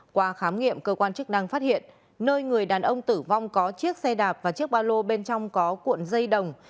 qua khám nghiệm cơ quan chức năng phát hiện nơi người đàn ông tử vong có chiếc xe đạp và chiếc ba lô bên trong có cuộn dây đồng